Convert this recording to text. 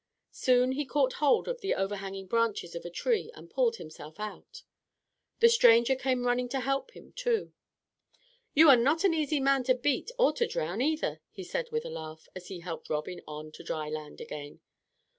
Soon he caught hold of the overhanging branches of a tree and pulled himself out. The stranger came running to help him too. "You are not an easy man to beat or to drown either," he said with a laugh, as he helped Robin on to dry land again.